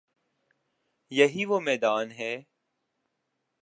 یہی وہ میدان ہے۔